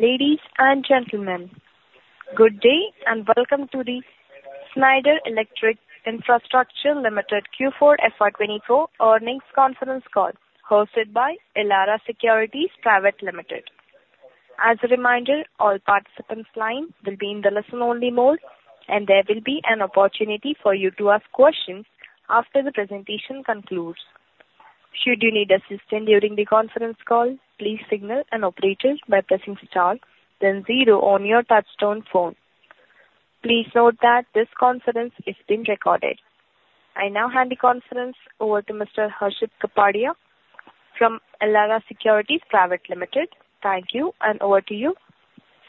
Ladies and gentlemen, good day, and welcome to the Schneider Electric Infrastructure Limited Q4 FY 2024 earnings conference call, hosted by Elara Securities Private Limited. As a reminder, all participants' lines will be in the listen-only mode, and there will be an opportunity for you to ask questions after the presentation concludes. Should you need assistance during the conference call, please signal an operator by pressing star, then zero on your touchtone phone. Please note that this conference is being recorded. I now hand the conference over to Mr. Harshit Kapadia from Elara Securities Private Limited. Thank you, and over to you,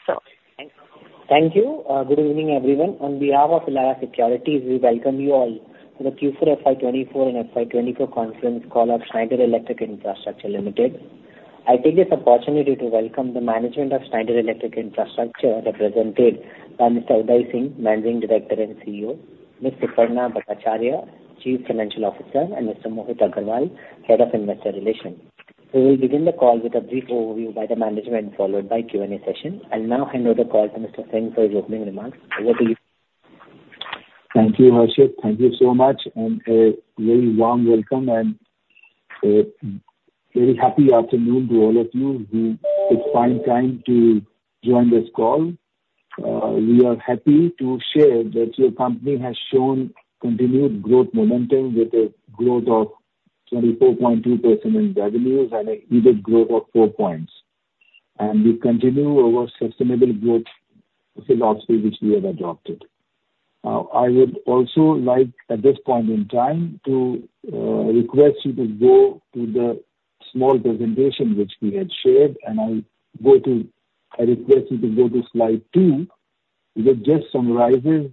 sir. Thank you. Thank you. Good evening, everyone. On behalf of Elara Securities, we welcome you all to the Q4 FY 2024 and FY 2024 conference call of Schneider Electric Infrastructure Limited. I take this opportunity to welcome the management of Schneider Electric Infrastructure, represented by Mr. Udai Singh, Managing Director and CEO, Ms. Suparna Bhattacharya, Chief Financial Officer, and Mr. Mohit Agrawal, Head of Investor Relations. We will begin the call with a brief overview by the management, followed by Q&A session. I'll now hand over the call to Mr. Singh for his opening remarks. Over to you. Thank you, Harshit. Thank you so much, and a very warm welcome, and a very happy afternoon to all of you who took fine time to join this call. We are happy to share that your company has shown continued growth momentum with a growth of 24.2% in revenues and a EBITDA growth of 4 points. We continue our sustainable growth philosophy, which we have adopted. I would also like, at this point in time, to request you to go to the small presentation which we had shared, and I'll go to—I request you to go to slide 2, which just summarizes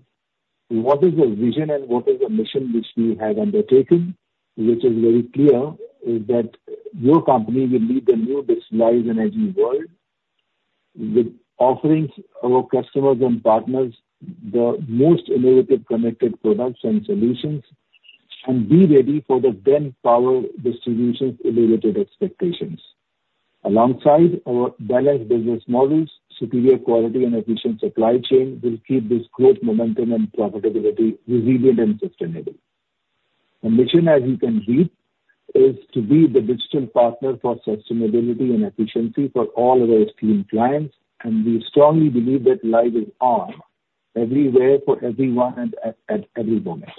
what is the vision and what is the mission which we have undertaken. Which is very clear is that your company will lead the new digitalized energy world with offerings our customers and partners the most innovative connected products and solutions, and be ready for the then power distribution innovative expectations. Alongside our balanced business models, superior quality and efficient supply chain will keep this growth, momentum, and profitability resilient and sustainable. The mission, as you can read, is to be the digital partner for sustainability and efficiency for all our esteemed clients, and we strongly believe that light is on everywhere for everyone and at, at every moment.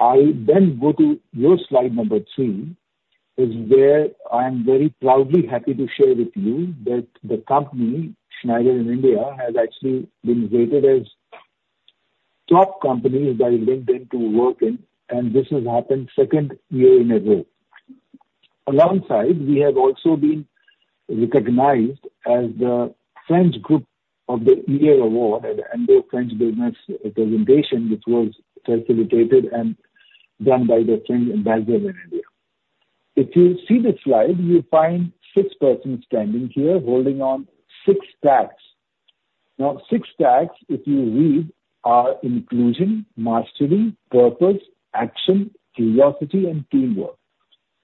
I then go to your slide number three, which is where I'm very proudly happy to share with you that the company, Schneider in India, has actually been rated as top company by LinkedIn to work in, and this has happened second year in a row. Alongside, we have also been recognized as the French Group of the Year award at Indo-French Business Awards presentation, which was facilitated and done by the French Ambassador in India. If you see the slide, you'll find six persons standing here holding on six tags. Now, six tags, if you read, are inclusion, mastery, purpose, action, curiosity, and teamwork.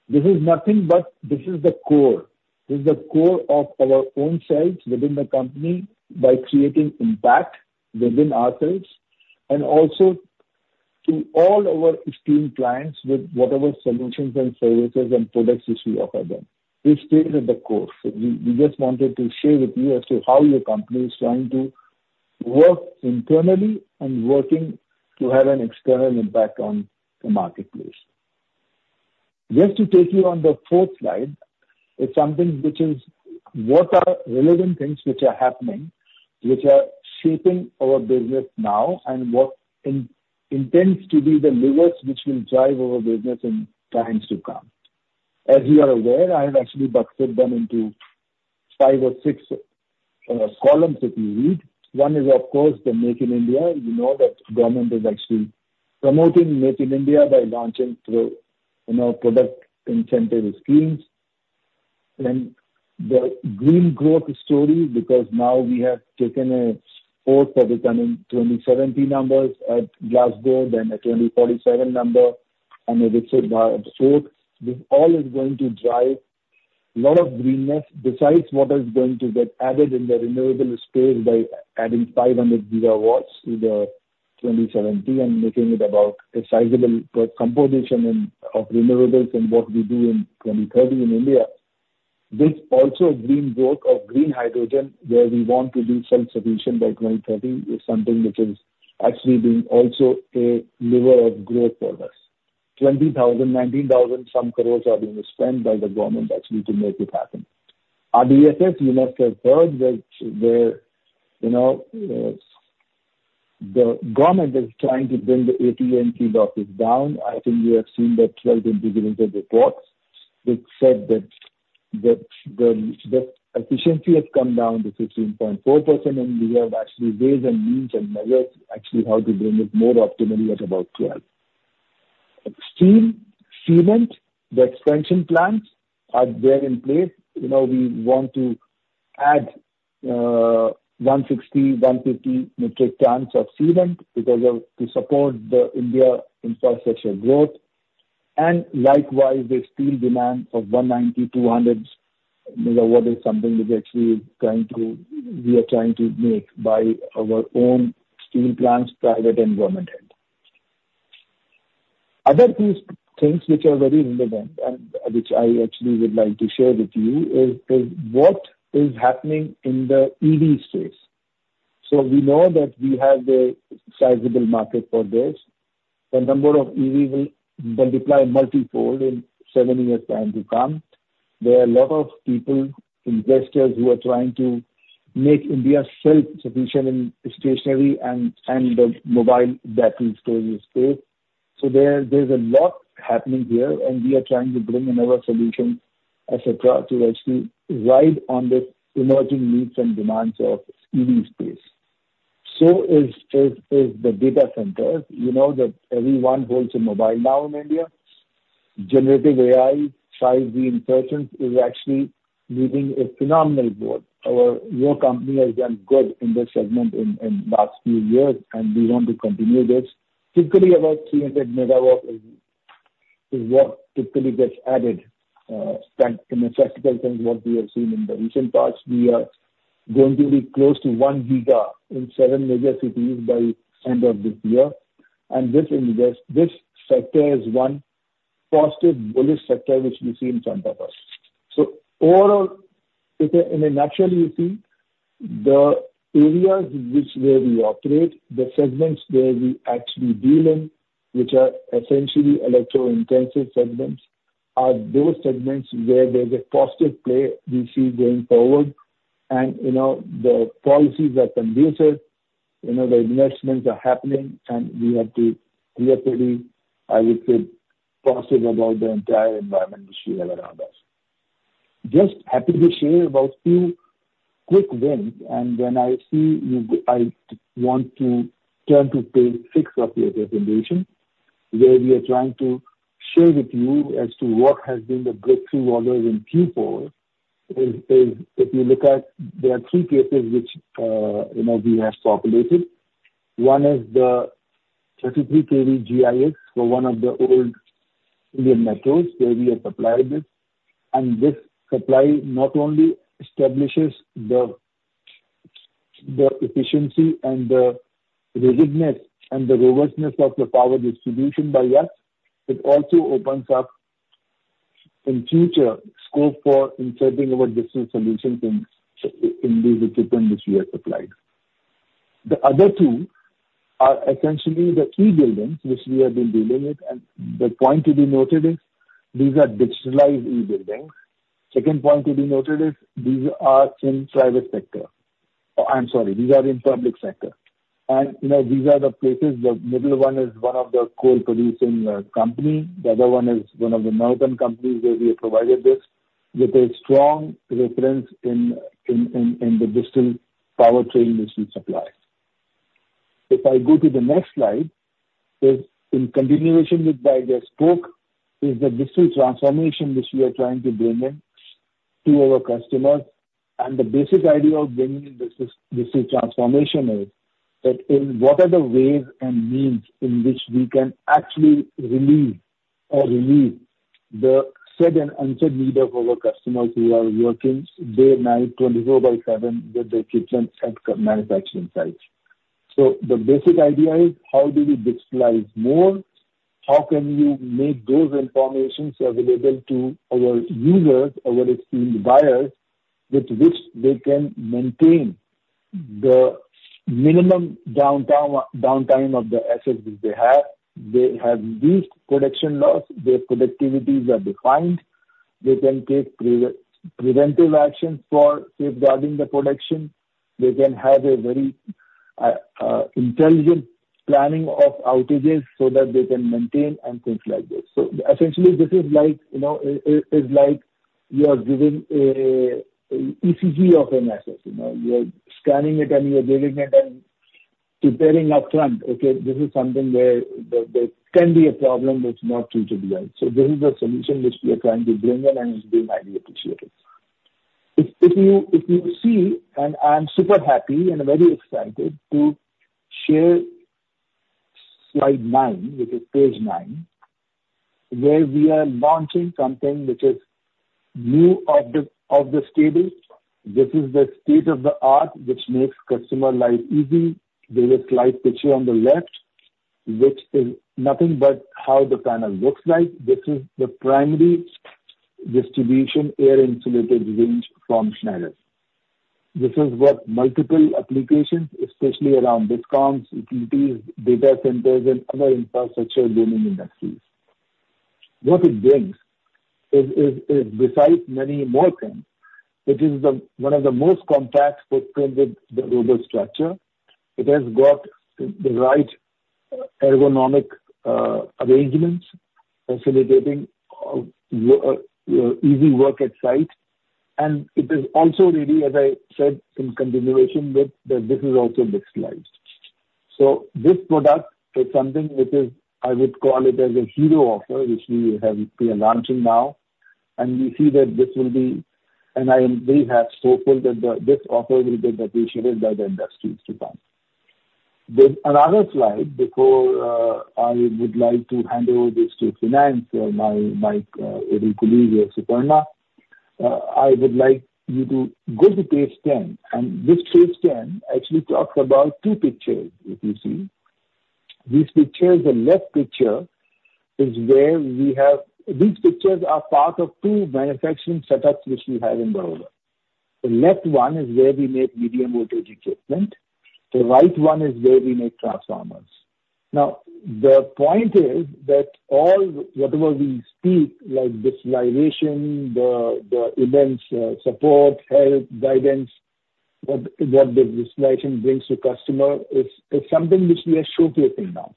This is nothing, but this is the core. This is the core of our own selves within the company by creating impact within ourselves and also to all our esteemed clients with whatever solutions and services and products which we offer them. We've stayed at the course. We, we just wanted to share with you as to how your company is trying to work internally and working to have an external impact on the marketplace. Just to take you on the fourth slide, is something which is, what are relevant things which are happening, which are shaping our business now and what intends to be the levers which will drive our business in times to come. As you are aware, I have actually bucketed them into 5 or 6 columns if you read. One is, of course, the Make in India. You know that government is actually promoting Make in India by launching through, you know, product incentive schemes. Then the green growth story, because now we have taken a fourth of the coming 2070 numbers at Glasgow, then a 2047 number, and a third. This all is going to drive a lot of greenness, besides what is going to get added in the renewable space by adding 500 gigawatts to the 2070 and making it about a sizable composition in, of renewables and what we do in 2030 in India. This also a green growth of green hydrogen, where we want to be self-sufficient by 2030, is something which is actually being also a lever of growth for us. 20,000, 19,000 some crore are being spent by the government actually to make it happen. RDSS, you must have heard that the, you know, the government is trying to bring the AT&C losses down. I think you have seen that well in the beginning of the reports. It said that the efficiency has come down to 16.4%, and we have actually ways and means and measures actually how to bring it more optimally at about 12. Steel, cement, the expansion plants are there in place. You know, we want to add 160-150 metric tons of cement because of, to support the India infrastructure growth. And likewise, the steel demand of 190-200 megawatts is something which actually is trying to—we are trying to make by our own steel plants, private and government. Other things which are very relevant, and which I actually would like to share with you, is what is happening in the EV space. So we know that we have a sizable market for this. The number of EVs will multiply multifold in 7 years' time to come. There are a lot of people, investors, who are trying to make India self-sufficient in stationary and the mobile battery storage space. So there's a lot happening here, and we are trying to bring in our solutions as across to actually ride on the emerging needs and demands of EV space. So is the data center. You know that everyone holds a mobile now in India. Generative AI size importance is actually moving a phenomenal growth. Our, your company has done good in this segment in last few years, and we want to continue this. Typically, about 300 MW is what typically gets added than in a statistical sense, what we have seen in the recent past. We are going to be close to 1 giga in 7 major cities by end of this year, and this investment—this sector is one positive, bullish sector which we see in front of us. So overall, in a nutshell, you see, the areas where we operate, the segments where we actually deal in, which are essentially electro-intensive segments, are those segments where there's a positive play we see going forward. And, you know, the policies are conducive, you know, the investments are happening, and we have to clearly, I would say, positive about the entire environment which we have around us. Just happy to share about two quick wins, and then I see you. I want to turn to page six of your presentation, where we are trying to share with you as to what has been the breakthrough orders in Q4. If you look at, there are three cases which, you know, we have populated. One is the 33 kV GIS, for one of the old Indian metros, where we have supplied this. And this supply not only establishes the efficiency and the rigidness and the robustness of the power distribution by us, it also opens up in future scope for inserting our digital solutions in these equipment which we have supplied. The other two are essentially the E-buildings which we have been dealing with, and the point to be noted is, these are digitalized E-buildings. Second point to be noted is these are in private sector. Oh, I'm sorry, these are in public sector. And, you know, these are the places, the middle one is one of the coal-producing company. The other one is one of the mountain companies, where we have provided this, with a strong reference in the Digital Powertrain which we supply. If I go to the next slide, is in continuation with what I just spoke, is the digital transformation which we are trying to bring in to our customers. And the basic idea of bringing in this is, this transformation is, that in what are the ways and means in which we can actually relieve or relieve the said and unsaid need of our customers who are working day, night, 24x7, with the equipment at manufacturing sites. So the basic idea is, how do we digitalize more? How can we make those informations available to our users, our esteemed buyers, with which they can maintain the minimum downtime of the assets which they have? They have reduced production loss, their productivities are defined. They can take preventive action for safeguarding the production. They can have a very intelligent planning of outages so that they can maintain and things like this. So essentially, this is like, you know, is like you are giving a ECG of an asset, you know. You are scanning it, and you are giving it and preparing upfront, "Okay, this is something where there can be a problem which is not to be done." So this is the solution which we are trying to bring in, and it's being highly appreciated. I'm super happy and very excited to share slide nine, which is page nine, where we are launching something which is new of the stable. This is the state of the art, which makes customer life easy. There is a slide picture on the left, which is nothing but how the panel looks like. This is the Primary Distribution Air Insulated Range from Schneider. This is what multiple applications, especially around discoms, utilities, data centers, and other infrastructure building industries. What it brings is besides many more things, it is one of the most compact footprint with the global structure. It has got the right ergonomic arrangements, facilitating easy work at site. And it is also ready, as I said, in continuation with that, this is also mixed slides. So this product is something which is, I would call it as a hero offer, which we have—we are launching now, and we see that this will be—and I am very hopeful that the, this offer will be appreciated by the industries to come. There's another slide before, I would like to hand over this to finance, my dear colleague here, Suparna. I would like you to go to page 10, and this page 10 actually talks about two pictures, if you see. These pictures, the left picture is where we have—These pictures are part of two manufacturing setups which we have in Baroda. The left one is where we make medium voltage equipment. The right one is where we make transformers. Now, the point is, that all whatever we speak, like digitalization, the events, support, help, guidance, what the digitalization brings to customer, it's something which we are showcasing now.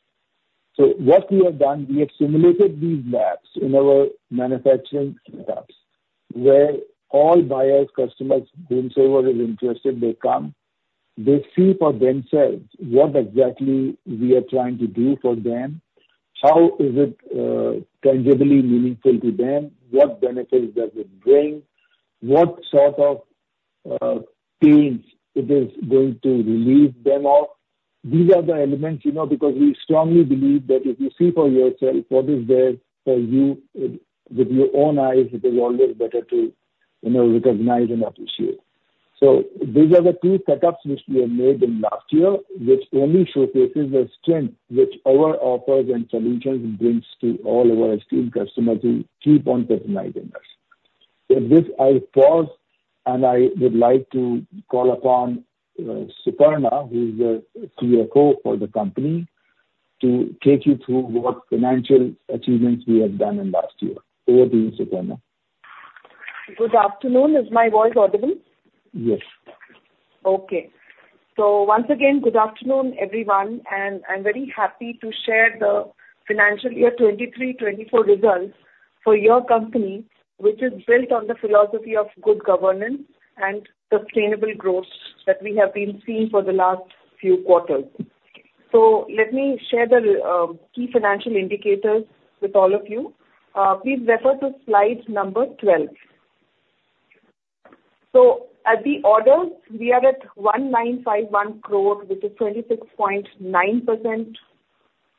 So what we have done, we have simulated these labs in our manufacturing setups, where all buyers, customers, whomever is interested, they come. They see for themselves what exactly we are trying to do for them, how is it tangibly meaningful to them? What benefits does it bring? What sort of pains it is going to relieve them of? These are the elements, you know, because we strongly believe that if you see for yourself what is there for you, with your own eyes, it is always better to, you know, recognize and appreciate. These are the two setups which we have made in last year, which only showcases the strength which our offers and solutions brings to all our esteemed customers who keep on recognizing us. With this, I'll pause, and I would like to call upon, Suparna, who is the CFO for the company, to take you through what financial achievements we have done in last year. Over to you, Suparna. Good afternoon. Is my voice audible? Yes. Okay. So once again, good afternoon, everyone, and I'm very happy to share the financial year 2023-2024 results for your company, which is built on the philosophy of good governance and sustainable growth that we have been seeing for the last few quarters. So let me share the key financial indicators with all of you. Please refer to slide number 12. So at the orders, we are at 1,951 crore, which is 26.9%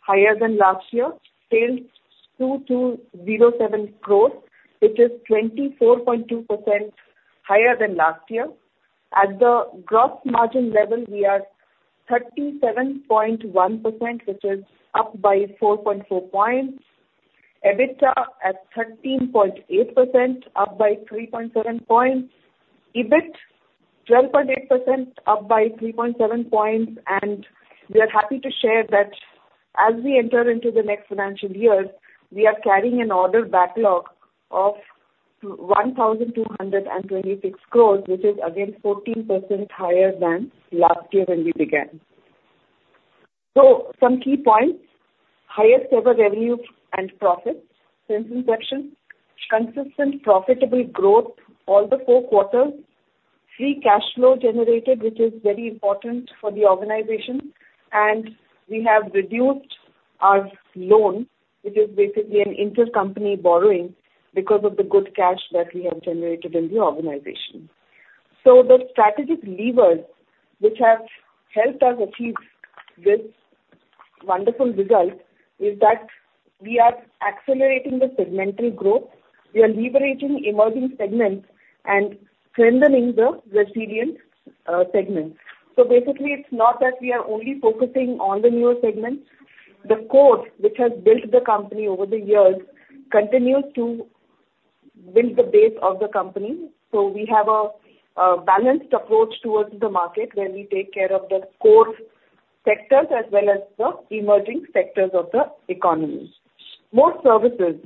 higher than last year. Sales, 2,207 crores, which is 24.2% higher than last year. At the gross margin level, we are 37.1%, which is up by 4.4 points. EBITDA at 13.8%, up by 3.7 points. EBIT, 12.8%, up by 3.7 points, and we are happy to share that as we enter into the next financial years, we are carrying an order backlog of 1,226 crores, which is again 14% higher than last year when we began. So some key points: highest ever revenue and profits since inception, consistent profitable growth all the 4 quarters, free cash flow generated, which is very important for the organization, and we have reduced our loan, which is basically an intercompany borrowing, because of the good cash that we have generated in the organization. So the strategic levers which have helped us achieve this wonderful result, is that we are accelerating the segmental growth. We are leveraging emerging segments and strengthening the resilient, segments. So basically, it's not that we are only focusing on the newer segments. The core, which has built the company over the years, continues to build the base of the company. So we have a balanced approach towards the market, where we take care of the core sectors as well as the emerging sectors of the economy. More services.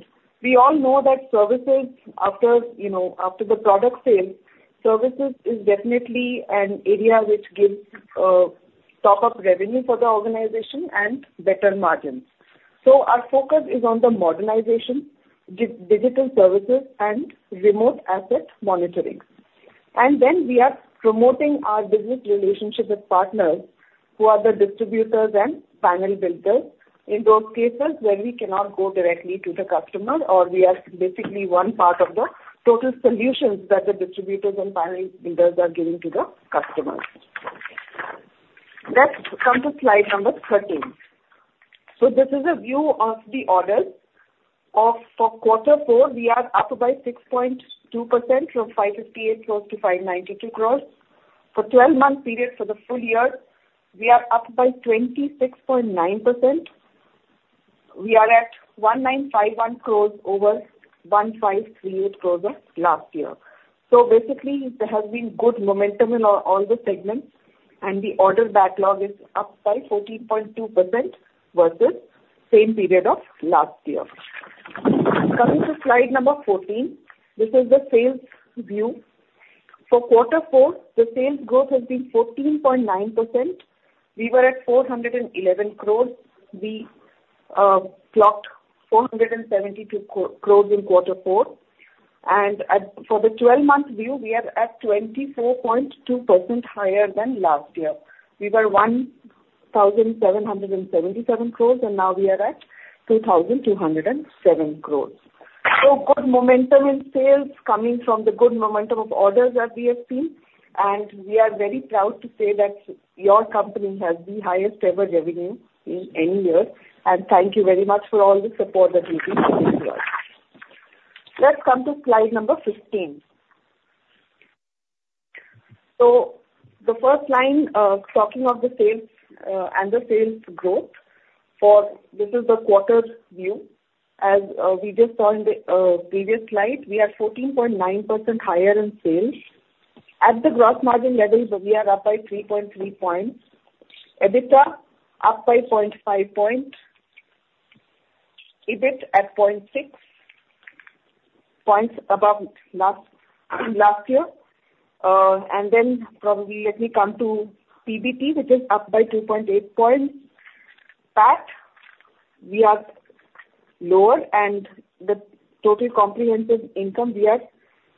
We all know that services, after, you know, after the product sale, services is definitely an area which gives top of revenue for the organization and better margins. So our focus is on the modernization, digital services and remote asset monitoring. And then we are promoting our business relationship with partners who are the distributors and panel builders. In those cases where we cannot go directly to the customer, or we are basically one part of the total solutions that the distributors and panel builders are giving to the customers. Let's come to slide number 13. So this is a view of the orders. For quarter four, we are up by 6.2% from 558 crores to 592 crores. For twelve-month period for the full year, we are up by 26.9%. We are at 1,951 crores over 1,538 crores of last year. So basically, there has been good momentum in all the segments, and the order backlog is up by 14.2% versus same period of last year. Coming to slide number 14, this is the sales view. For quarter four, the sales growth has been 14.9%. We were at 411 crores. We clocked 472 crores in quarter four, and for the twelve-month view, we are at 24.2% higher than last year. We were 1,777 crore, and now we are at 2,207 crore. So good momentum in sales coming from the good momentum of orders that we have seen, and we are very proud to say that your company has the highest ever revenue in any year, and thank you very much for all the support that you give us. Let's come to slide number 15. So the first line, talking of the sales, and the sales growth, for this is the quarter view. As we just saw in the previous slide, we are 14.9% higher in sales. At the gross margin level, we are up by 3.3 points. EBITDA up by 0.5 points. EBIT at 0.6 points above last, last year. And then probably let me come to PBT, which is up by 2.8 points. PAT, we are lower, and the total comprehensive income, we are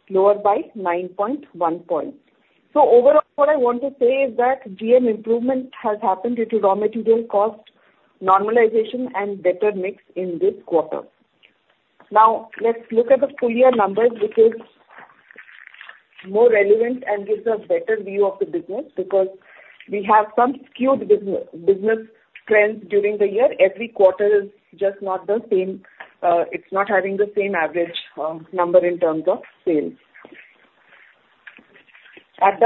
lower by 9.1 points. So overall, what I want to say is that GM improvement has happened due to raw material cost normalization and better mix in this quarter. Now, let's look at the full year numbers, which is more relevant and gives a better view of the business, because we have some skewed business trends during the year. Every quarter is just not the same, it's not having the same average number in terms of sales. At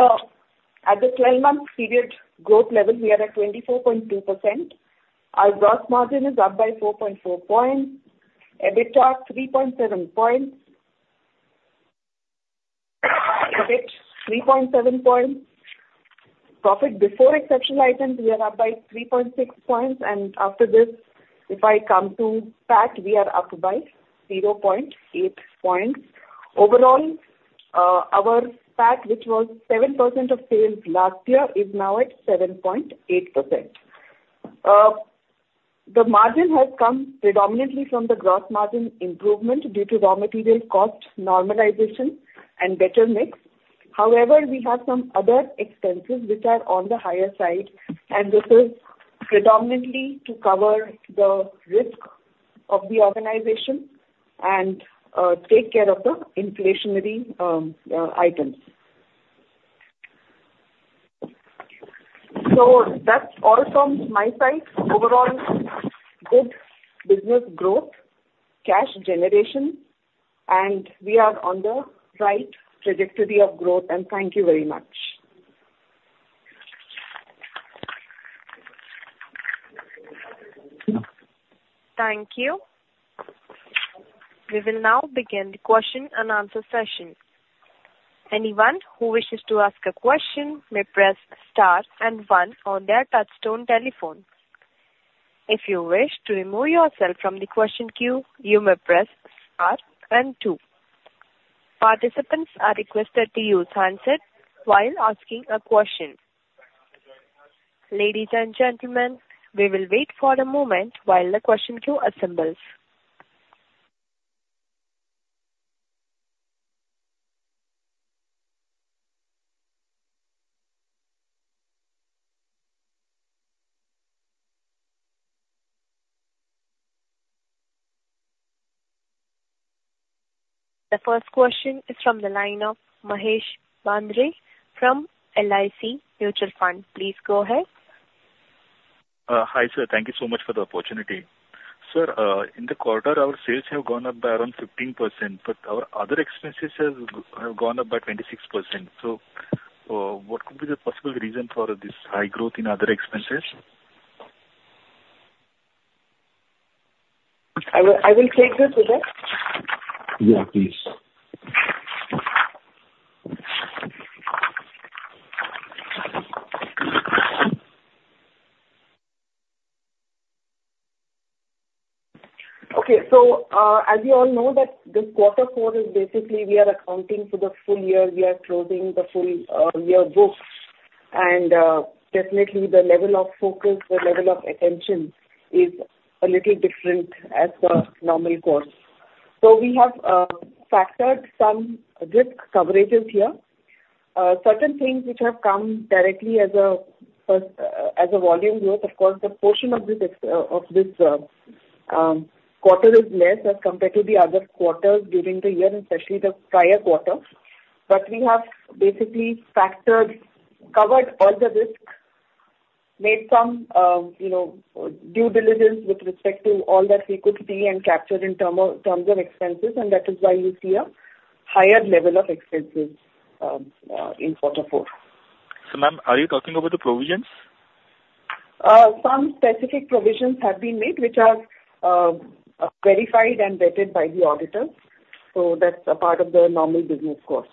the twelve-month period growth level, we are at 24.2%. Our gross margin is up by 4.4 points. EBITDA, 3.7 points. EBIT, 3.7 points. Profit before exceptional items, we are up by 3.6 points, and after this, if I come to PAT, we are up by 0.8 points. Overall, our PAT, which was 7% of sales last year, is now at 7.8%. The margin has come predominantly from the gross margin improvement due to raw material cost normalization and better mix. However, we have some other expenses which are on the higher side, and this is predominantly to cover the risk of the organization and take care of the inflationary items. So that's all from my side. Overall, good business growth, cash generation, and we are on the right trajectory of growth, and thank you very much. Thank you. We will now begin the question and answer session. Anyone who wishes to ask a question may press star and one on their touchtone telephone. If you wish to remove yourself from the question queue, you may press star and two. Participants are requested to use handset while asking a question. Ladies and gentlemen, we will wait for a moment while the question queue assembles. The first question is from the line of Mahesh Bendre from LIC Mutual Fund. Please go ahead. Hi, sir. Thank you so much for the opportunity. Sir, in the quarter, our sales have gone up by around 15%, but our other expenses have gone up by 26%. So, what could be the possible reason for this high growth in other expenses? I will, I will take this, okay? Yeah, please. Okay. So, as you all know that this quarter four is basically we are accounting for the full year, we are closing the full year books, and, definitely the level of focus, the level of attention is a little different as per normal course. So we have factored some risk coverages here. Certain things which have come directly as a first as a volume growth, of course, the portion of this of this quarter is less as compared to the other quarters during the year, especially the prior quarter. But we have basically factored, covered all the risk, made some, you know, due diligence with respect to all that we could see and capture in terms of expenses, and that is why you see a higher level of expenses in quarter four. So, ma'am, are you talking about the provisions? Some specific provisions have been made, which are verified and vetted by the auditor, so that's a part of the normal business course.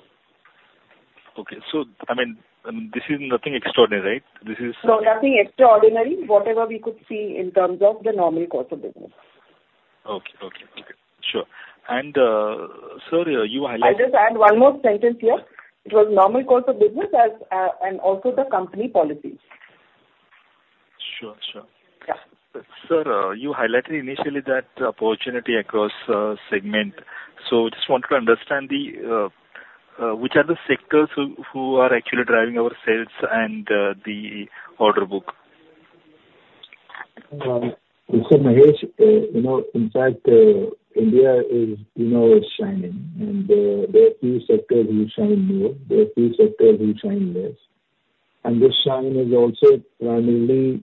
Okay. So I mean, this is nothing extraordinary, right? This is- No, nothing extraordinary. Whatever we could see in terms of the normal course of business. Okay. Okay. Okay. Sure. And, sir, you highlight- I'll just add one more sentence here. It was normal course of business as, and also the company policy. Sure, sure. Yeah. Sir, you highlighted initially that opportunity across segment. So just want to understand which are the sectors who are actually driving our sales and the order book? Mahesh, you know, in fact, India is, you know, is shining, and there are few sectors which shine more, there are few sectors which shine less. And this shine is also primarily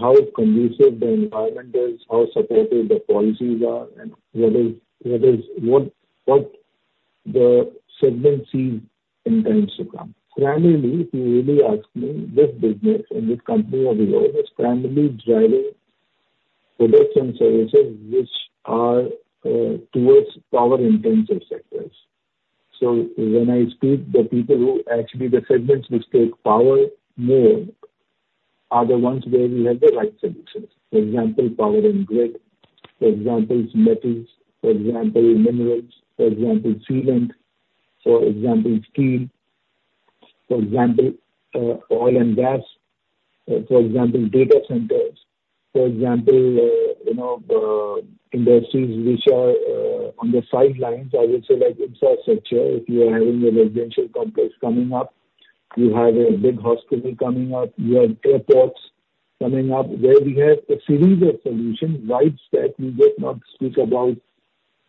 how conducive the environment is, how supportive the policies are, and whether what the segment sees in times to come. Primarily, if you really ask me, this business and this company of yours is primarily driving products and services which are towards power-intensive sectors. So when I speak, the people who actually the segments which take power more are the ones where we have the right solutions. For example, power and grid. For example, metals. For example, minerals. For example, cement. For example, steel. For example, oil and gas. For example, data centers. For example, you know, industries which are on the sidelines, I would say, like infrastructure. If you are having a residential complex coming up, you have a big hospital coming up, you have airports coming up, where we have a series of solutions, wide stack. We did not speak about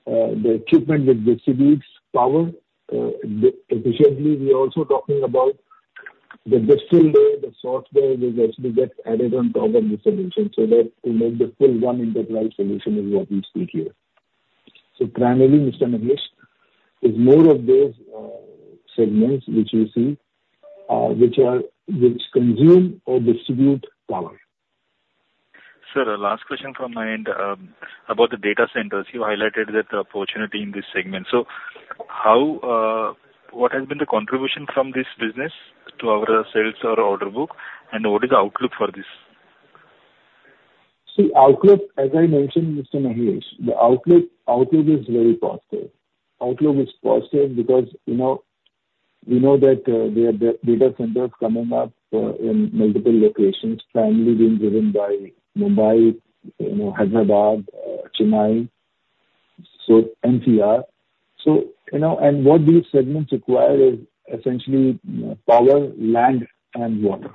the equipment which distributes power efficiently. We are also talking about the digital layer, the software, which actually gets added on top of the solution, so that we make the full one enterprise solution is what we speak here. So primarily, Mr. Mahesh, is more of those segments which you see, which are, which consume or distribute power. Sir, last question from my end, about the data centers. You highlighted that opportunity in this segment. So, what has been the contribution from this business to our sales or order book, and what is the outlook for this? See, outlook, as I mentioned, Mr. Mahesh, the outlook, outlook is very positive. Outlook is positive because, you know, we know that, there are data centers coming up, in multiple locations, primarily being driven by Mumbai, you know, Hyderabad, Chennai, so NCR. So, you know, and what these segments require is essentially power, land, and water.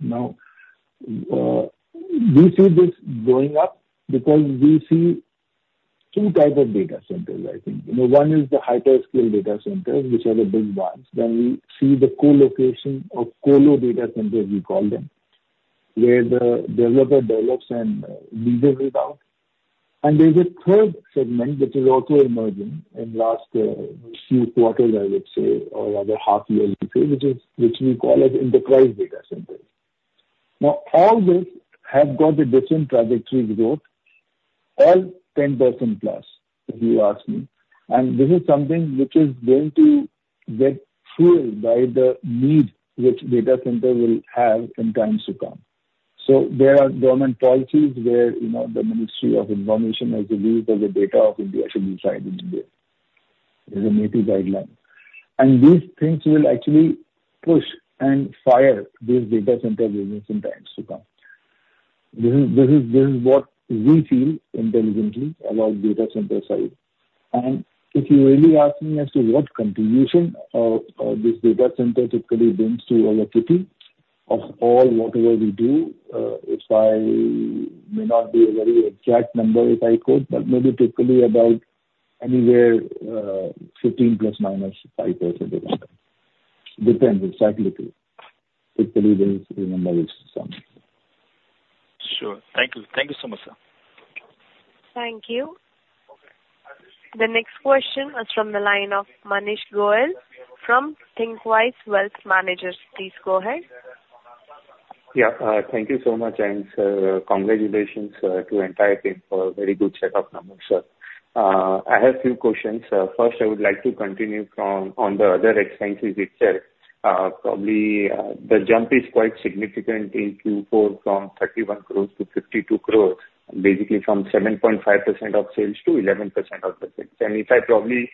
Now, we see this going up because we see two types of data centers, I think. You know, one is the hyperscale data centers, which are the big ones. Then we see the co-location or colo data centers, we call them, where the developer develops and leases it out. And there's a third segment, which is also emerging in last, few quarters, I would say, or rather half year, which is, which we call as enterprise data centers. Now, all this have got a different trajectory growth, all 10%+, if you ask me, and this is something which is going to get fueled by the need which data center will have in times to come. So there are government policies where, you know, the Ministry of Information and Broadcasting has mandated that the data of India should be stored in India; it's a data localization guideline. And these things will actually push and drive this data center business in times to come. This is what we feel strongly about data center side. And if you really ask me as to what contribution this data center typically brings to our kitty, of all whatever we do, if I may not be a very exact number, if I quote, but maybe typically about anywhere, 15 ± 5% of the number. Depends, exactly. Typically, this, the number is some. Sure. Thank you. Thank you so much, sir. Thank you. The next question is from the line of Manish Goyal from Thinkwise Wealth Management. Please go ahead. Yeah. Thank you so much, and, congratulations, to entire team for a very good set of numbers, sir. I have few questions. First, I would like to continue from on the other expenses itself. Probably, the jump is quite significant in Q4, from 31 crores to 52 crores, basically from 7.5% of sales to 11% of the sales. And if I probably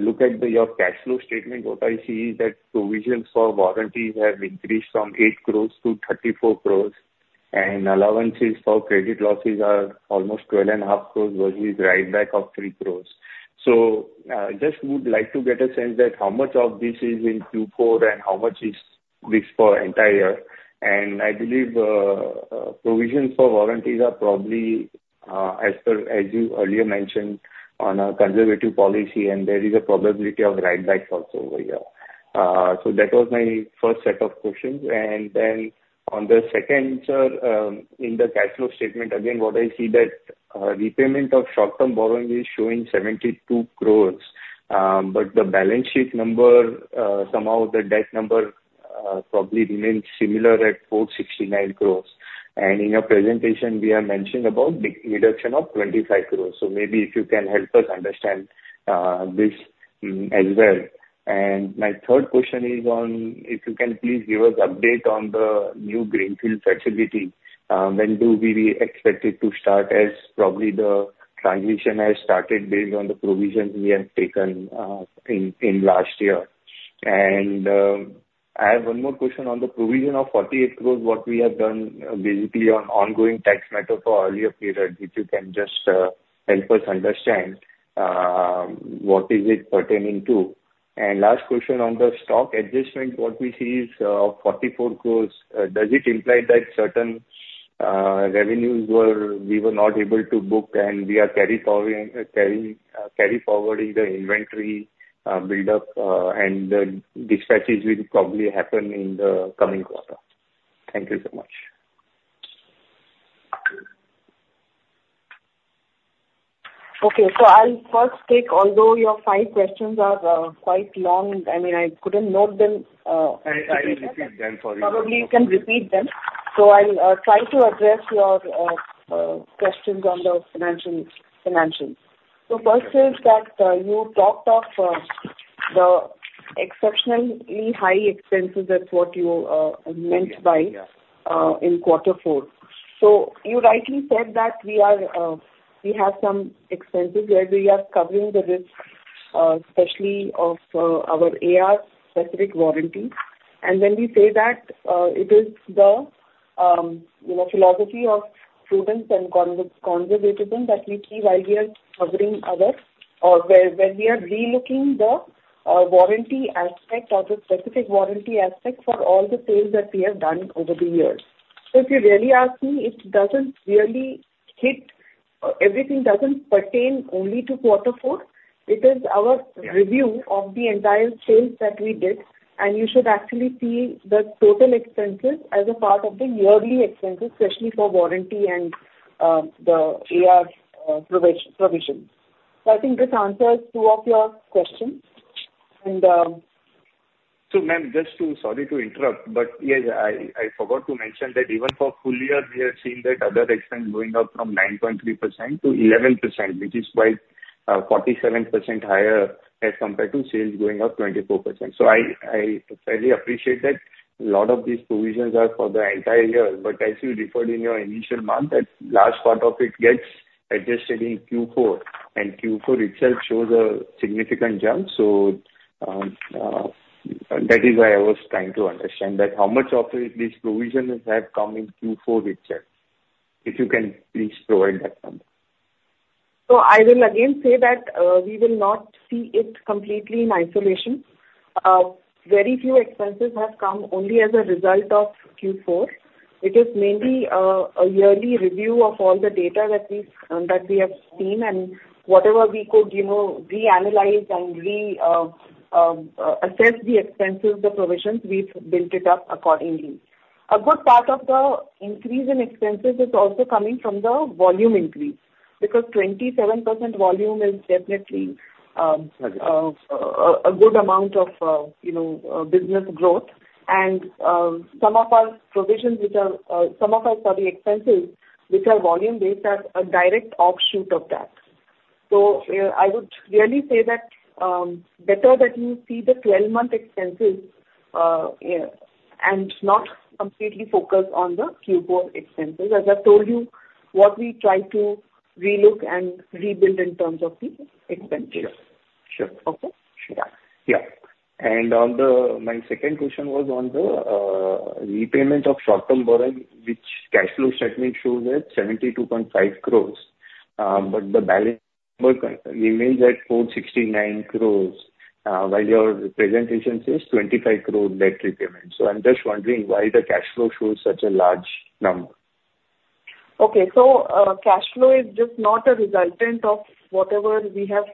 look at the your cash flow statement, what I see is that provisions for warranties have increased from 8 crores to 34 crores, and allowances for credit losses are almost 12.5 crores, versus write back of 3 crores. So, just would like to get a sense that how much of this is in Q4 and how much is this for entire year. I believe, provisions for warranties are probably, as per, as you earlier mentioned, on a conservative policy, and there is a probability of write backs also over here. So that was my first set of questions. Then on the second, sir, in the cash flow statement, again, what I see that, repayment of short-term borrowing is showing 72 crore, but the balance sheet number, somehow the debt number, probably remains similar at 469 crore. In your presentation, we are mentioning about the reduction of 25 crore. So maybe if you can help us understand, this, as well. My third question is on, If you can please give us update on the new greenfield facility. When do we expect it to start, as probably the transition has started based on the provisions we have taken in last year? And I have one more question on the provision of 48 crore, what we have done basically on ongoing tax matter for earlier period, if you can just help us understand what is it pertaining to? And last question on the stock adjustment, what we see is 44 crore. Does it imply that certain revenues we were not able to book and we are carrying forward the inventory build-up, and the dispatches will probably happen in the coming quarter? Thank you so much. Okay. So I'll first take—although your five questions are quite long, I mean, I couldn't note them, I will repeat them for you. Probably you can repeat them. So I'll try to address your questions on the financial, financials. So first is that you talked of the exceptionally high expenses, that's what you meant by- Yeah. in quarter four. So you rightly said that we are, we have some expenses where we are covering the risks, especially of, our AR specific warranty. And when we say that, it is the, you know, philosophy of prudence and conservatism that we keep while we are covering other or where, when we are relooking the, warranty aspect or the specific warranty aspect for all the sales that we have done over the years. So if you really ask me, it doesn't really hit, everything doesn't pertain only to quarter four. It is our- Yeah. review of the entire sales that we did, and you should actually see the total expenses as a part of the yearly expenses, especially for warranty and the AR provision. So I think this answers two of your questions. And So, ma'am, just to—sorry to interrupt, but yes, I, I forgot to mention that even for full year, we are seeing that other expense going up from 9.3%-11%, which is by, 47% higher as compared to sales going up 24%. So I, I fairly appreciate that a lot of these provisions are for the entire year, but as you referred in your initial month, that large part of it gets adjusted in Q4, and Q4 itself shows a significant jump. So, that is why I was trying to understand that how much of these provisions have come in Q4 itself. If you can please provide that number. So I will again say that, we will not see it completely in isolation. Very few expenses have come only as a result of Q4. It is mainly, a yearly review of all the data that we've, that we have seen, and whatever we could, you know, reanalyze and re, assess the expenses, the provisions, we've built it up accordingly. A good part of the increase in expenses is also coming from the volume increase, because 27% volume is definitely, a good amount of, you know, business growth. And, some of our provisions, which are, some of our, sorry, expenses, which are volume based, are a direct offshoot of that. So, I would really say that, better that you see the 12-month expenses, yeah, and not completely focus on the Q4 expenses. As I told you, what we try to relook and rebuild in terms of the expenses. Sure. Okay? Sure. Yeah. And on the—my second question was on the repayment of short-term borrowing, which cash flow statement shows at 72.5 crores, but the balance remains at 469 crores, while your presentation says 25 crores debt repayment. So I'm just wondering why the cash flow shows such a large number? Okay. So, cash flow is just not a resultant of whatever we have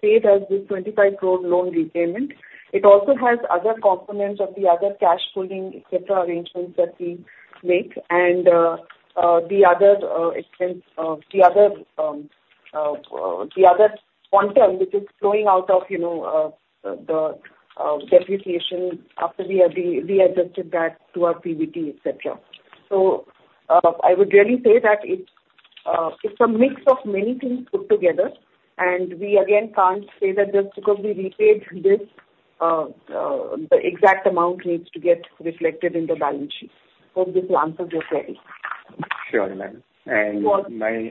paid as the 25 crore loan repayment. It also has other components of the other cash pooling, et cetera, arrangements that we make. And, the other expense, the other quantum, which is flowing out of, you know, the depreciation after we have readjusted that to our PBT, et cetera. So, I would really say that it's a mix of many things put together, and we again can't say that just because we repaid this, the exact amount needs to get reflected in the balance sheet. Hope this answers your query. Sure, ma'am. Go on. My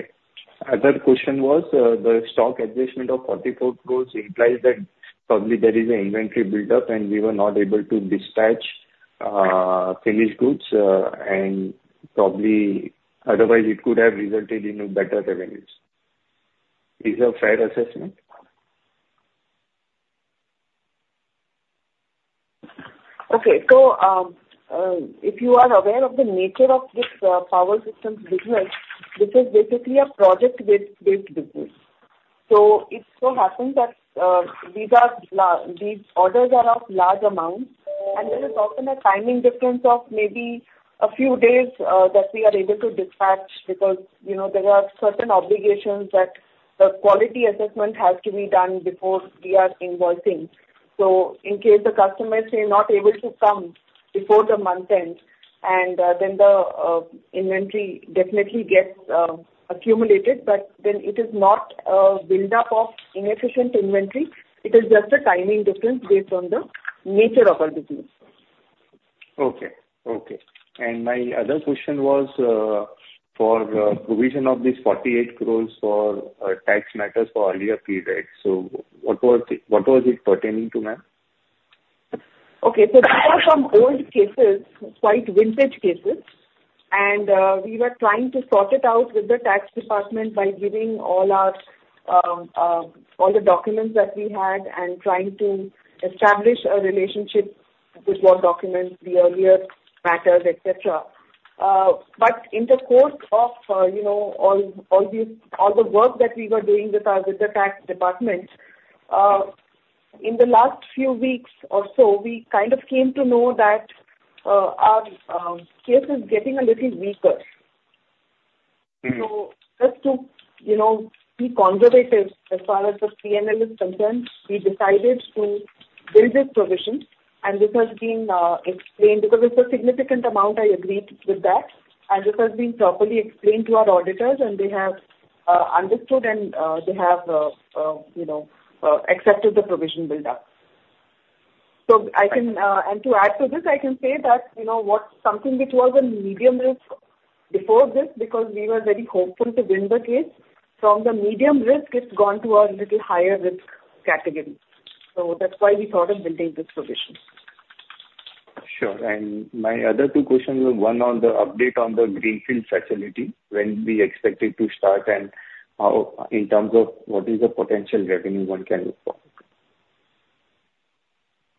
other question was, the stock adjustment of 44 crore implies that probably there is an inventory build-up, and we were not able to dispatch, finished goods, and probably otherwise it could have resulted in better revenues. Is a fair assessment? Okay. So, if you are aware of the nature of this power systems business, this is basically a project-based, based business. So it so happens that these are These orders are of large amounts, and there is often a timing difference of maybe a few days that we are able to dispatch, because, you know, there are certain obligations that the quality assessment has to be done before we are invoicing. So in case the customer is say, not able to come before the month end, and then the inventory definitely gets accumulated, but then it is not a build-up of inefficient inventory. It is just a timing difference based on the nature of our business. Okay. Okay. And my other question was, for provision of this 48 crore for tax matters for earlier periods. So what was it, what was it pertaining to, ma'am? Okay, so these are some old cases, quite vintage cases, and we were trying to sort it out with the tax department by giving all the documents that we had and trying to establish a relationship with what documents, the earlier matters, et cetera. But in the course of you know all the work that we were doing with the tax department in the last few weeks or so, we kind of came to know that our case is getting a little weaker. Mm-hmm. So just to, you know, be conservative as far as the PNL is concerned, we decided to build this provision, and this has been explained, because it's a significant amount, I agreed with that, and this has been properly explained to our auditors, and they have understood and they have, you know, accepted the provision build-up. So I can. And to add to this, I can say that, you know, what, something which was a medium risk before this, because we were very hopeful to win the case, from the medium risk, it's gone to a little higher risk category. So that's why we thought of building this provision. Sure. And my other two questions, one on the update on the greenfield facility, when do you expect it to start, and how, in terms of what is the potential revenue one can look for?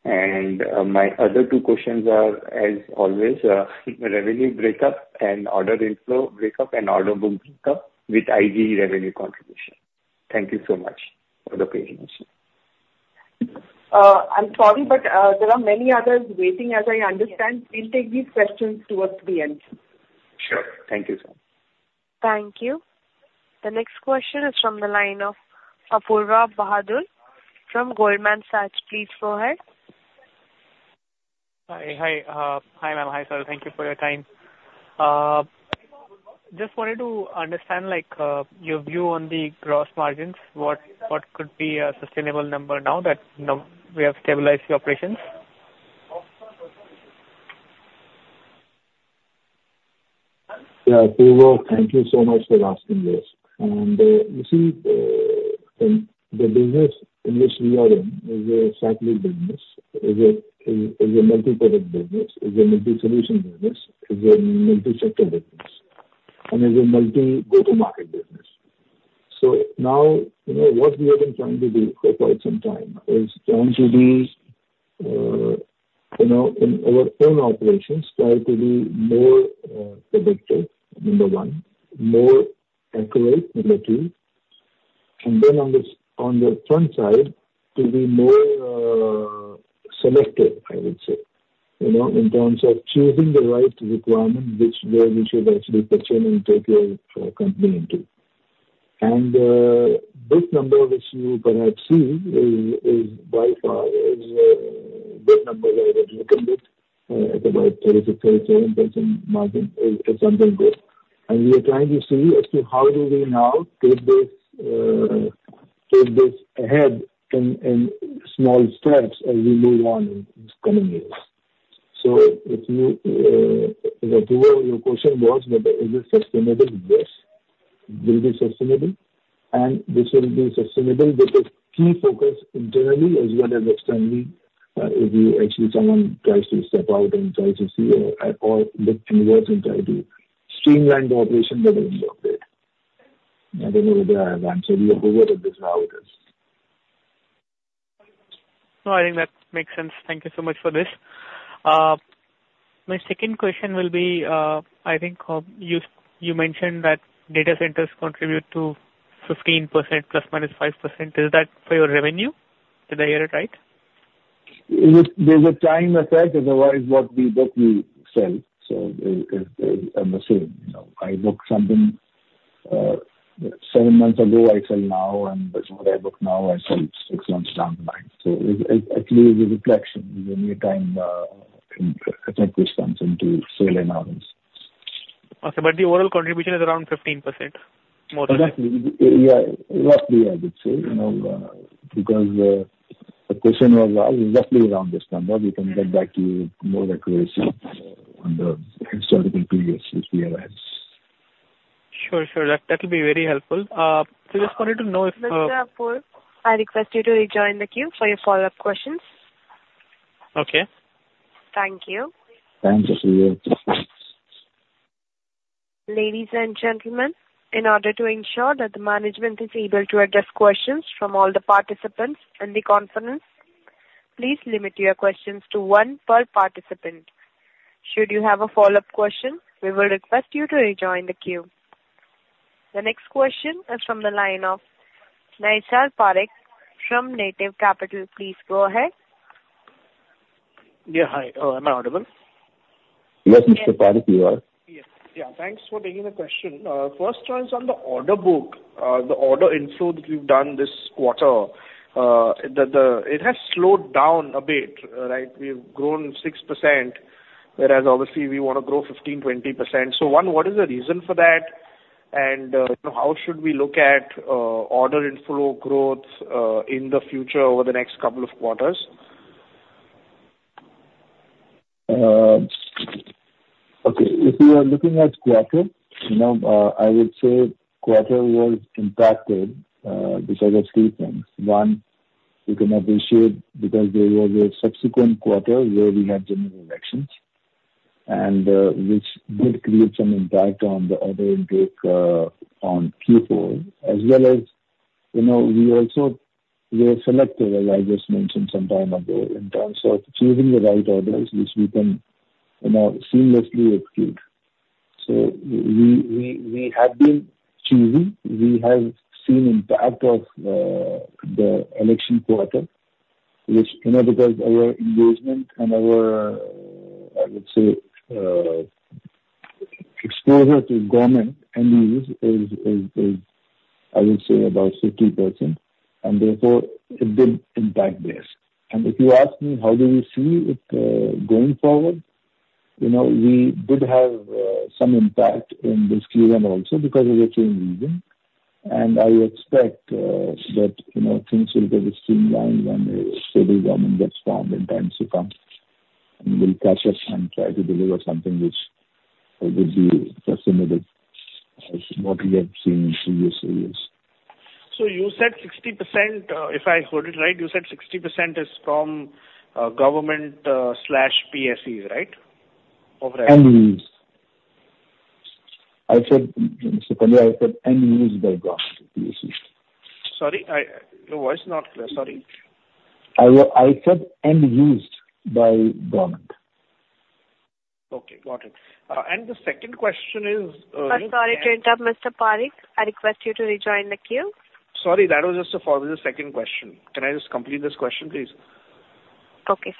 And my other two questions are, as always, revenue breakup and order inflow breakup and order book breakup with IG revenue contribution. Thank you so much for the patience. I'm sorry, but there are many others waiting, as I understand. We'll take these questions towards the end. Sure. Thank you, sir. Thank you. The next question is from the line of Apoorva Bahadur from Goldman Sachs. Please go ahead. Hi. Hi, hi, ma'am. Hi, sir. Thank you for your time. Just wanted to understand, like, your view on the gross margins. What, what could be a sustainable number now that now we have stabilized the operations? Yeah, Apoorva, thank you so much for asking this. And, you see, the business in which we are in is a cycling business, is a multi-product business, is a multi-solution business, is a multi-sector business, and is a multi go-to-market business. So now, you know, what we have been trying to do for quite some time is to actually, you know, in our own operations, try to be more predictive, number one, more accurate, number two, and then on the front side, to be more selective, I would say. You know, in terms of choosing the right requirement, which, where we should actually pursue and take your company into. This number, which you perhaps see, is by far, this number is looking a bit at about 36%-37% margin, is something good. We are trying to see as to how do we now take this, take this ahead in small steps as we move on in the coming years. Apoorva, your question was, that, is it sustainable? Yes, this is sustainable, and this will be sustainable. Because key focus internally as well as externally, if you actually someone tries to step out and tries to see or look inward and try to streamline the operation, that will be updated. I don't know whether I have answered you. Apoorva, how it is? No, I think that makes sense. Thank you so much for this. My second question will be, I think, you mentioned that data centers contribute to 15%, ±5%. Is that for your revenue? Did I hear it right? It is. There's a time effect. Otherwise what we sell are the same. You know, I book something seven months ago, I sell now, and what I book now, I sell six months down the line. So it actually is a reflection. It is only a time attachment which comes into sell amounts. Okay. But the overall contribution is around 15%, more or less? Exactly. Yeah, roughly, I would say. You know, because, the question was roughly around this number. Mm-hmm. We can get back to you with more accuracy on the historical periods which we have had. Sure, sure. That, that will be very helpful. So just wanted to know if, Mr. Apoorva, I request you to rejoin the queue for your follow-up questions. Okay. Thank you. Thanks, Apoorva. Ladies and gentlemen, in order to ensure that the management is able to address questions from all the participants in the conference, please limit your questions to one per participant. Should you have a follow-up question, we will request you to rejoin the queue. The next question is from the line of Naysar Parikh from Native Capital. Please go ahead. Yeah, hi. Am I audible? Yes, Mr. Parikh, you are. Yes. Yeah, thanks for taking the question. First one is on the order book. The order inflow that you've done this quarter, it has slowed down a bit, right? We've grown 6%, whereas obviously we want to grow 15%-20%. So one, what is the reason for that? And, how should we look at order inflow growth in the future over the next couple of quarters? If you are looking at quarter, you know, I would say quarter was impacted, because of three things. One, you can appreciate, because there was a subsequent quarter where we had general elections, and, which did create some impact on the order intake, on Q4, as well as, you know, we also were selective, as I just mentioned some time ago, in terms of choosing the right orders, which we can, you know, seamlessly execute. So we have been choosing. We have seen impact of, the election quarter, which, you know, because our engagement and our, I would say, exposure to government end use is, I would say, about 60%, and therefore it did impact this. And if you ask me, how do we see it, going forward? You know, we did have, some impact in this Q1 also because of the same reason. And I expect, that, you know, things will get streamlined when the state government gets formed in times to come, and we'll catch up and try to deliver something which, would be similar with, what we have seen in previous years. So you said 60%, if I heard it right, you said 60% is from government / PSEs, right? Over- End use. I said, Mr. Naysar, I said end use by government PSE. Sorry, your voice is not clear. Sorry. I said end used by government. Okay, got it. And the second question is, I'm sorry to interrupt, Mr. Parikh. I request you to rejoin the queue. Sorry, that was just a follow-up to the second question. Can I just complete this question, please? Okay.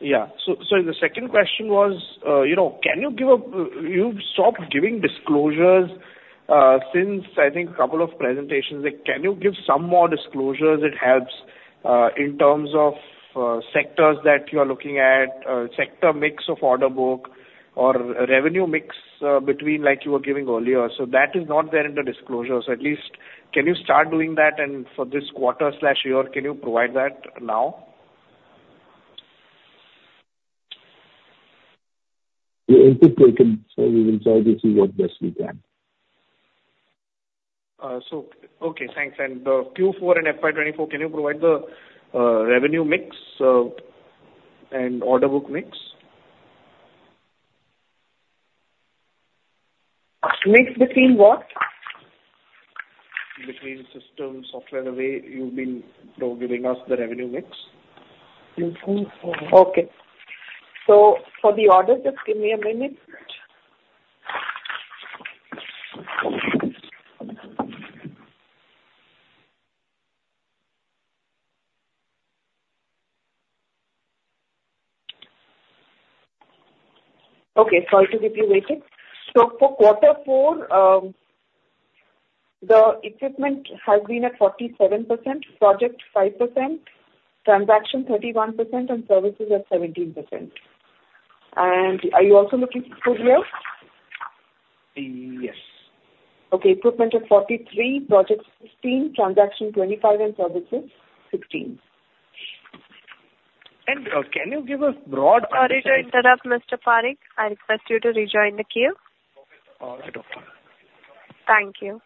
Yeah. So the second question was, you know, can you give a—you've stopped giving disclosures since I think a couple of presentations. Can you give some more disclosures? It helps in terms of sectors that you are looking at, sector mix of order book or revenue mix between like you were giving earlier. So that is not there in the disclosures. At least can you start doing that? And for this quarter/year, can you provide that now? We'll take it, so we will try to see what best we can. So, okay, thanks. And, Q4 and FY 2024, can you provide the revenue mix, and order book mix? Between what? Between system, software, the way you've been, you know, giving us the revenue mix. Okay. So for the order, just give me a minute. Okay, sorry to keep you waiting. So for quarter four, the equipment has been at 47%, project 5%, transaction 31%, and services at 17%. And are you also looking for here? Uh, yes. Okay. Equipment at 43, projects 16, transaction 25, and services 16. Can you give a broad- Sorry to interrupt, Mr. Parikh. I request you to rejoin the queue. All right. Thank you.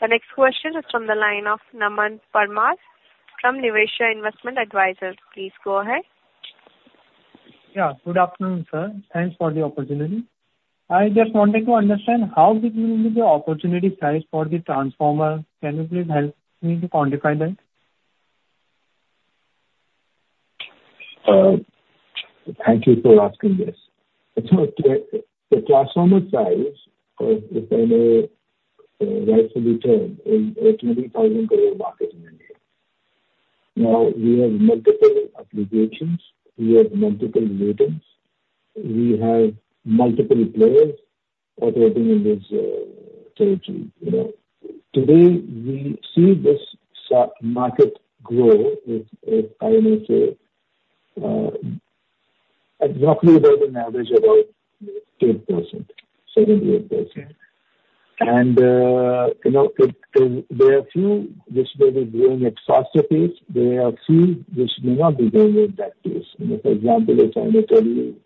The next question is from the line of Naman Parmar from Niveshaay Investment Advisors. Please go ahead. Yeah. Good afternoon, sir. Thanks for the opportunity. I just wanted to understand how big will be the opportunity size for the transformer. Can you please help me to quantify that? Thank you for asking this. So the transformer size, if I may rightly term, is a $20 billion market in India. Now, we have multiple applications, we have multiple variants, we have multiple players operating in this territory. You know, today, we see this same market grow with, I may say, approximately about an average of about 8%, 7%-8%. You know, there are a few which may be growing at a faster pace. There are a few which may not be growing at that pace. You know, for example, if I may tell you,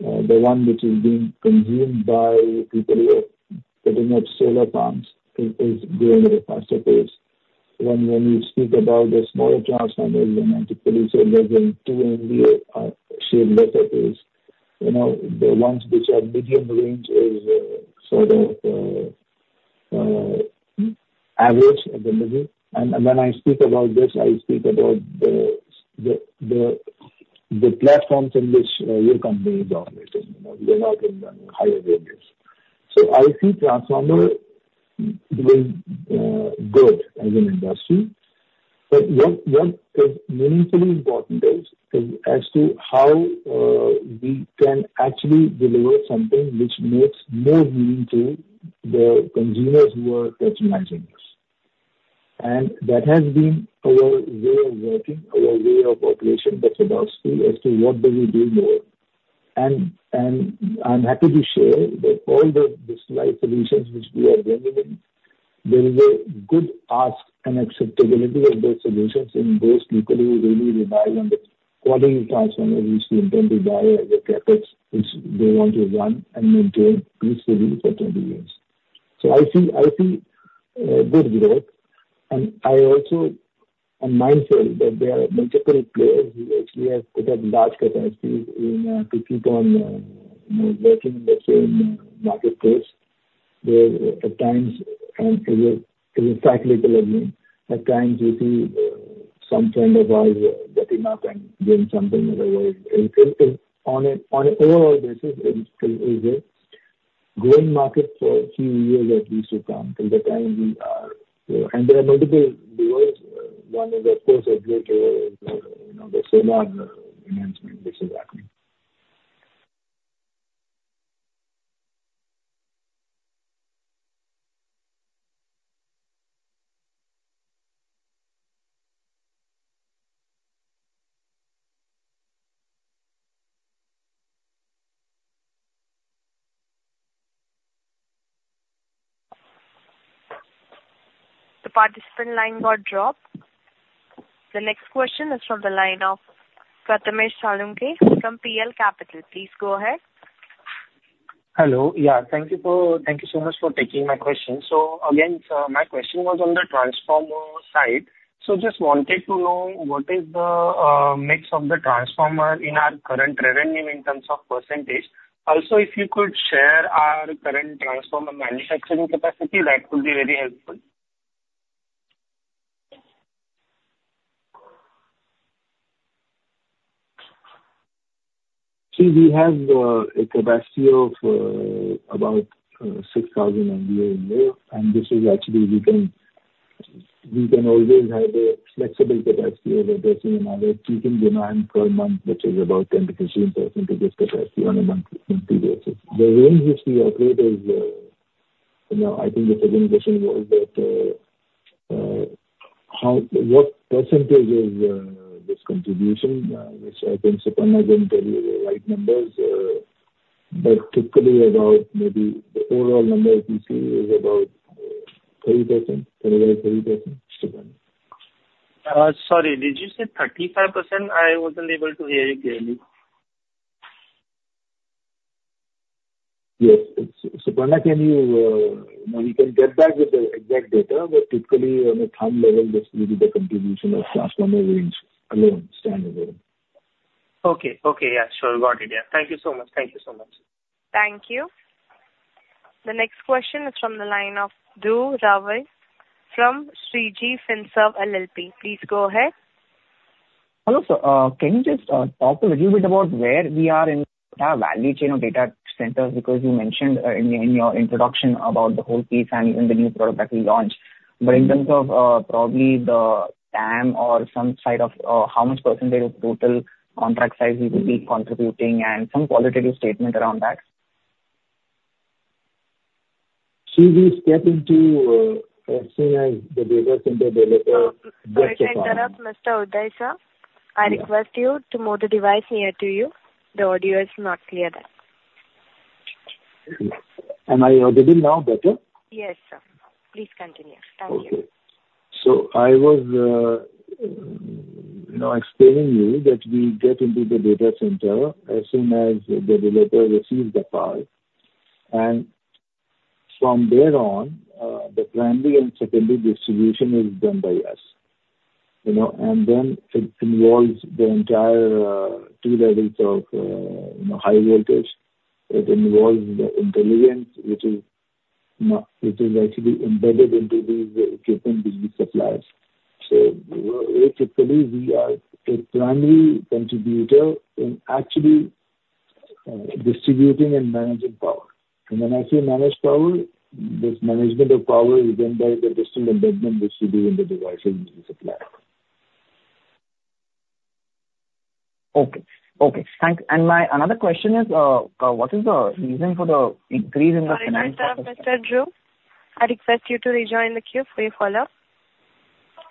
the one which is being consumed by people who are putting up solar farms is growing at a faster pace. When you speak about the smaller transformers, they're not equally selling less than 2 MVA, sell less at pace. You know, the ones which are medium range is sort of average at the middle. And when I speak about this, I speak about the platforms in which your company is operating, you know, we're not in the higher radius. So I see transformer doing good as an industry. But what is meaningfully important is as to how we can actually deliver something which makes more meaning to the consumers who are customizing this. And that has been our way of working, our way of operation, the philosophy as to what do we do more. And I'm happy to share that all the Schneider solutions which we are rendering-... There is a good ask and acceptability of those solutions, and those locally really rely on the quality transformer which we intend to buy as a CapEx, which they want to run and maintain peacefully for 20 years. So I see, I see, good growth. And I also am mindful that there are multiple players who actually have put up large capacities in to keep on working in the same marketplace. There are, at times, and to be, to be practical, I mean, at times you see some kind of buyer getting up and doing something otherwise. It, it on a, on an overall basis, it still is a growing market for a few years at least to come, till the time we are—and there are multiple players. One is, of course, Adani, you know, the solar enhancement which is happening. The participant line got dropped. The next question is from the line of Prathamesh Salunke from PL Capital. Please go ahead. Hello. Yeah, thank you so much for taking my question. So again, my question was on the transformer side. So just wanted to know what is the mix of the transformer in our current revenue in terms of percentage? Also, if you could share our current transformer manufacturing capacity, that would be very helpful. See, we have a capacity of about 6,000 MVA a year, and this is actually, we can, we can always have a flexible capacity over this, you know, we're keeping demand per month, which is about 10%-15% of this capacity on a month, on continuous basis. The range which we operate is, you know, I think the second question was that, how, what percentage is this contribution? Which I think Suparna will tell you the right numbers. But typically about maybe the overall number you see is about 30%, somewhere 35%. Suparna? Sorry, did you say 35%? I wasn't able to hear you clearly. Yes. Suparna, can you, you know, you can get back with the exact data, but typically on a high level, this will be the contribution of transformer range alone, standalone. Okay. Okay, yeah. Sure, got it. Yeah. Thank you so much. Thank you so much. Thank you. The next question is from the line ofDhruv Rawani from Shreeji Finserv LLP. Please go ahead. Hello, sir. Can you just talk a little bit about where we are in the value chain of data centers? Because you mentioned in your introduction about the whole piece and even the new product that we launched. But in terms of probably the TAM or some side of how much percentage of total contract size we will be contributing, and some qualitative statement around that. See, we step into, as soon as the data center developer- One second, Mr. Udai Sir. I request you to move the device nearer to you. The audio is not clear there. Am I audible now better? Yes, sir. Please continue. Thank you. Okay. So I was, you know, explaining to you that we get into the data center as soon as the developer receives the power. And from there on, the primary and secondary distribution is done by us, you know, and then it involves the entire two levels of, you know, high voltage. It involves the intelligence, which is, which is actually embedded into the equipment which we supply. So here, typically, we are a primary contributor in actually distributing and managing power. And when I say manage power, this management of power is done by the system embedded in distributing the devices we supply. Okay. Okay, thanks. And my another question is, what is the reason for the increase in the- Sorry to interrupt, Mr. Dhruv, I request you to rejoin the queue for your follow-up.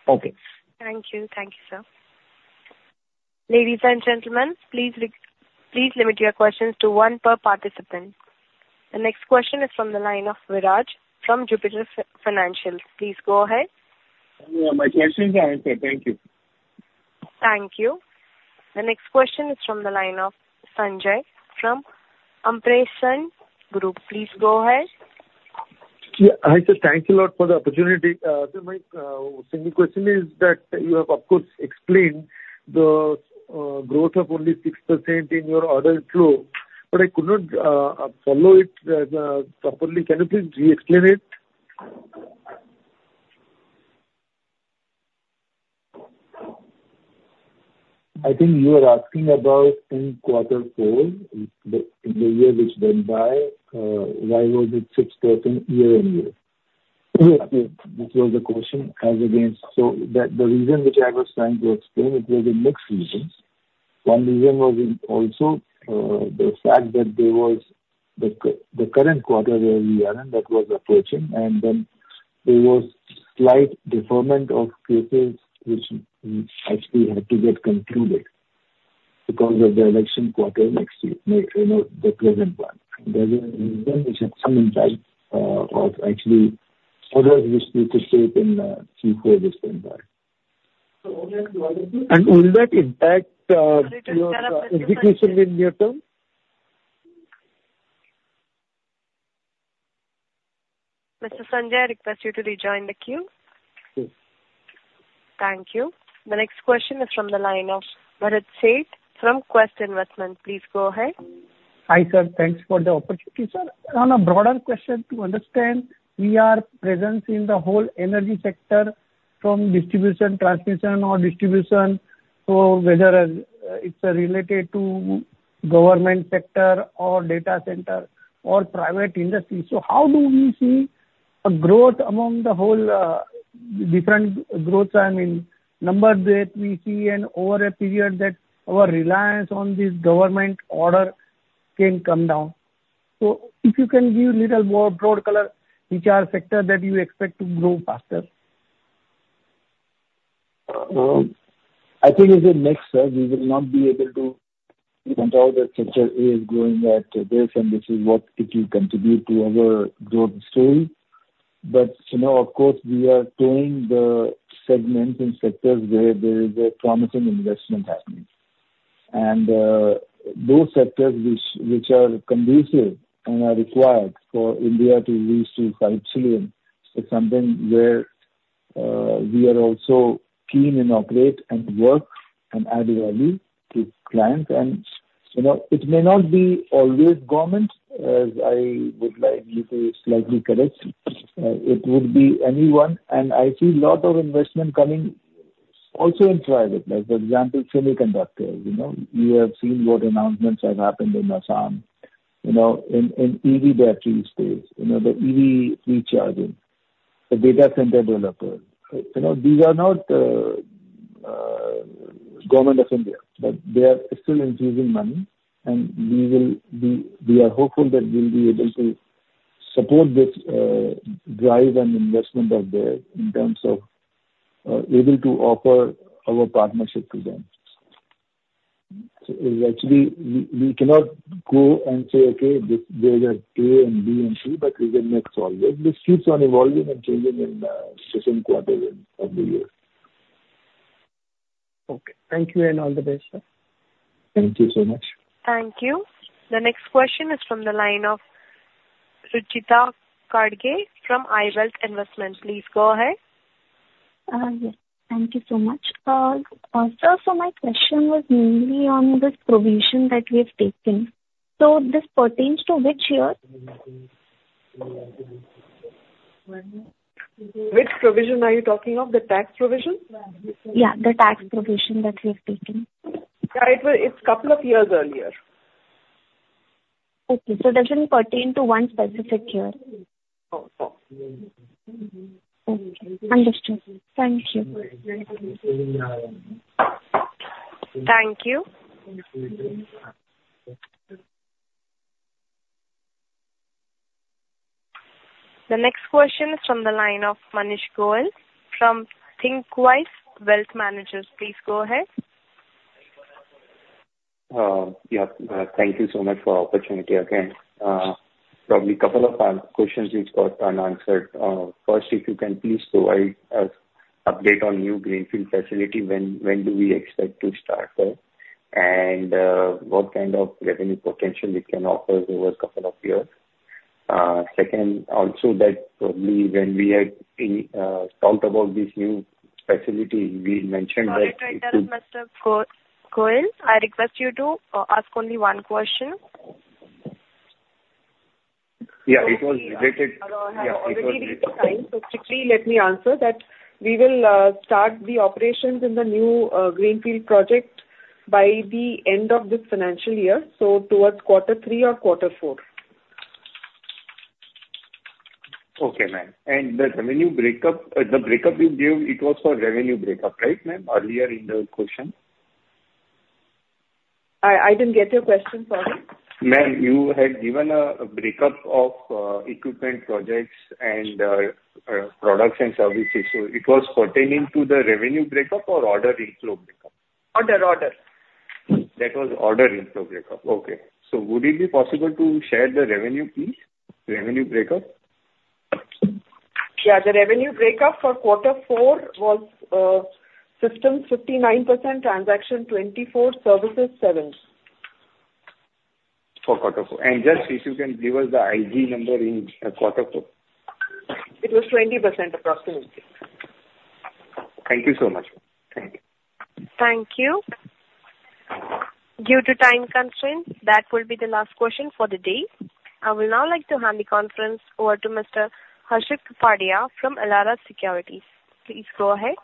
Okay. Thank you. Thank you, sir. Ladies and gentlemen, please limit your questions to one per participant. The next question is from the line of Viraj from Jupiter Financials. Please go ahead. Yeah, my question is answered. Thank you. Thank you. The next question is from the line of Sanjaya from Ampersand Capital. Please go ahead. Yeah. Hi, sir, thank you a lot for the opportunity. So my second question is that you have, of course, explained the growth of only 6% in your order flow, but I could not follow it properly. Can you please re-explain it? I think you are asking about in quarter four, in the year which went by, why was it 6% year-on-year? Yes, yes. This was the question as against. So the reason which I was trying to explain, it was a mixed reasons. One reason was in also the fact that there was the current quarter where we are, and that was approaching, and then there was slight deferment of cases which we actually had to get concluded because of the election quarter next year, you know, the present one. There is some impact of actually other risks we could say in Q4 this current year. Will that impact your execution in near term? Mr. Sanjaya, I request you to rejoin the queue. Okay. Thank you. The next question is from the line of Bharat Sheth from Quest Investment. Please go ahead. Hi, sir. Thanks for the opportunity, sir. On a broader question to understand, we are present in the whole energy sector from distribution, transmission or distribution. So whether it's related to government sector or data center or private industry. So how do we see a growth among the whole different growths? I mean, numbers that we see, and over a period that our reliance on this government order can come down. So if you can give little more broad color, which are factors that you expect to grow faster. I think in the next quarter, we will not be able to control the sector is growing at this, and this is what it will contribute to our growth story. But you know, of course, we are targeting the segments and sectors where there is a promising investment happening. And those sectors which are conducive and are required for India to reach $5 trillion is something where we are also keen and operate and work and add value to client. And, you know, it may not be always government, as I would like you to slightly correct. It would be anyone, and I see lot of investment coming also in private. Like, for example, semiconductors, you know. We have seen what announcements have happened in Assam, you know, in, in EV battery space, you know, the EV recharging, the data center developers. You know, these are not Government of India, but they are still infusing money, and we will be... We are hopeful that we will be able to support this drive and investment of theirs in terms of able to offer our partnership to them. So actually, we cannot go and say, okay, this there are A and B and C, but we will mix all this. This keeps on evolving and changing in season quarters of the year. Okay, thank you, and all the best, sir. Thank you so much. Thank you. The next question is from the line of Ruchita Kadge from iWealth Management. Please go ahead. Yes. Thank you so much. Sir, so my question was mainly on this provision that we have taken. So this pertains to which year? Which provision are you talking of, the tax provision? Yeah, the tax provision that we have taken. Yeah, it was. It's couple of years earlier. Okay, so doesn't pertain to one specific year? No. Okay, understood. Thank you. Thank you. The next question is from the line of Manish Goyal from Thinkwise Wealth Managers. Please go ahead. Yeah. Thank you so much for the opportunity again. Probably a couple of questions which got unanswered. First, if you can please provide us update on new greenfield facility. When do we expect to start that? And, what kind of revenue potential it can offer over a couple of years? Second, also that probably when we had talked about this new facility, we mentioned that- Sorry to interrupt, Mr. Goyal. I request you to ask only one question. Yeah, it was related. Yeah, it was related. Quickly let me answer that. We will start the operations in the new greenfield project by the end of this financial year, so towards quarter three or quarter four. Okay, ma'am, and the revenue breakup, the breakup you gave, it was for revenue breakup, right, ma'am? Earlier in the question. I didn't get your question. Sorry. Ma'am, you had given a breakup of equipment projects and products and services. So it was pertaining to the revenue breakup or order inflow breakup? Order, order. That was order inflow breakup. Okay. So would it be possible to share the revenue, please? Revenue breakup. Yeah, the revenue breakup for quarter four was system 69%, transaction 24%, services 7%. For quarter four. Just if you can give us the IG number in quarter four. It was 20%, approximately. Thank you so much. Thank you. Thank you. Due to time constraints, that will be the last question for the day. I would now like to hand the conference over to Mr. Harshit Kapadia from Elara Securities. Please go ahead.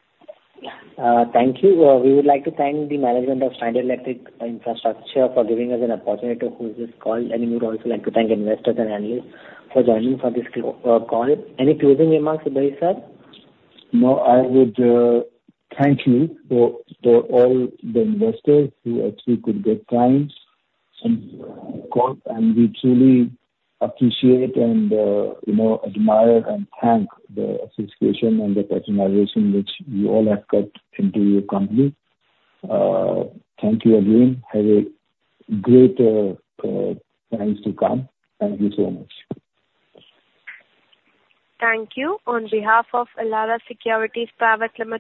Thank you. We would like to thank the management of Schneider Electric Infrastructure for giving us an opportunity to hold this call. We would also like to thank investors and analysts for joining for this call. Any closing remarks, Udai sir? No, I would thank you to, to all the investors who actually could get time on this call, and we truly appreciate and, you know, admire and thank the association and the personalization which you all have got into your company. Thank you again. Have a great times to come. Thank you so much. Thank you. On behalf of Elara Securities Private Limited-